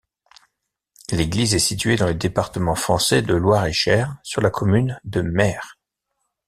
L'église est située dans le département français de Loir-et-Cher, sur la commune de Mer.